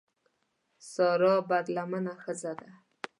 سارا بدلمنه ښځه ده.